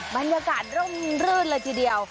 บรรยากาศร่มรื่นเลยทีเดียว